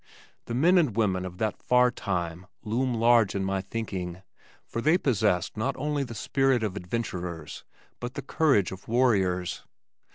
The men and women of that far time loom large in my thinking for they possessed not only the spirit of adventurers but the courage of warriors.